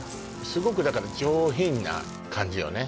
すごくだから上品な感じよね